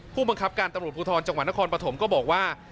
ผู้บังคับการตำรวจภูทรจังหวัดนครปฐมก็บอกว่า